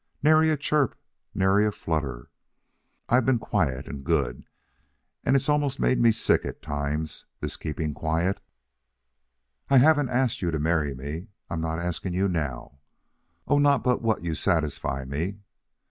Nary a chirp, nary a flutter. I've been quiet and good, though it's almost made me sick at times, this keeping quiet. I haven't asked you to marry me. I'm not asking you now. Oh, not but what you satisfy me.